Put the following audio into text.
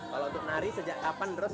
kalau untuk menari sejak kapan